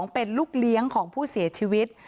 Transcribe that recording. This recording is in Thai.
เป็นลูกเลี้ยงของผู้เสียชีวิต